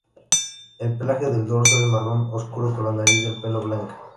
El pelaje del dorso es marrón oscuro con la raíz del pelo blanca.